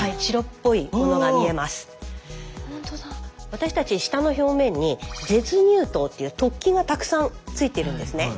私たち舌の表面に舌乳頭っていう突起がたくさんついてるんですね。